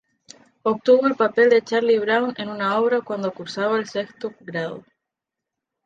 Obtuvo el papel de Charlie Brown en una obra cuando cursaba el sexto grado.